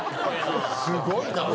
すごいな。